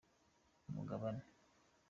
umugabane.